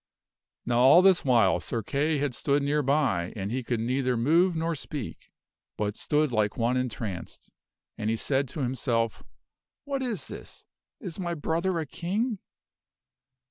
Now all this while Sir Kay had stood near by and he could neither move nor speak, but stood like one entranced, and he said to himself, "What is this? Is my brother a King?"